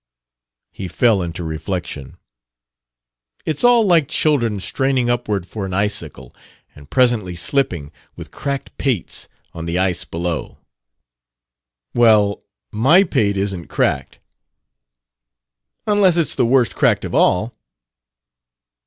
He fell into reflection. "It's all like children straining upward for an icicle, and presently slipping, with cracked pates, on the ice below." "Well, my pate isn't cracked." "Unless it's the worst cracked of all."